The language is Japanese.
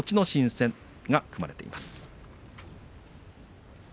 心戦が組まれています。